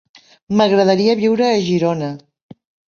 M'agradaria viure a Girona.